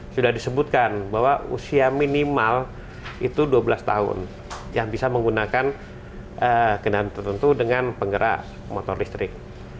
sudah disebutkan bahwa usia minimal itu dua belas tahun yang bisa menggunakan kendaraan tertentu dengan penggerak motor listrik